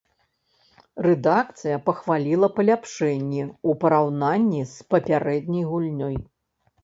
Рэдакцыя пахваліла паляпшэнні ў параўнанні з папярэдняй гульнёй.